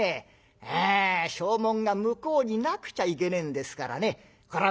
ええ証文が向こうになくちゃいけねえんですからねこらぁ